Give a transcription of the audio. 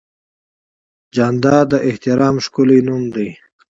جانداد د احترام ښکلی نوم دی.